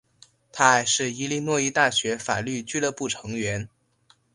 他还是伊利诺伊大学法律俱乐部成员。